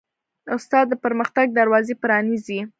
استاد د پرمختګ دروازې پرانیزي.